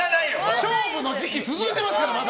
勝負の時期続いてますからまだ。